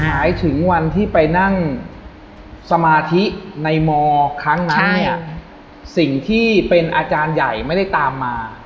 หมายถึงวันที่ไปนั่งสมาธิในมครั้งนั้นเนี่ยสิ่งที่เป็นอาจารย์ใหญ่ไม่ได้ตามมา